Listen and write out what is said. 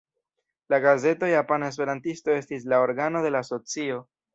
La gazeto Japana Esperantisto estis la organo de la asocio.